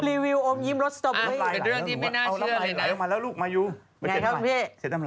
อันนี้ถือว่าเป็นภาพประกอบข่าวที่พี่ม้ากำลังจะเสนอต่อไป